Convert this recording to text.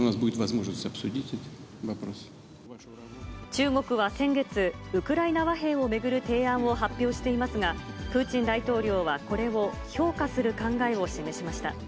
中国は先月、ウクライナ和平を巡る提案を発表していますが、プーチン大統領はこれを評価する考えを示しました。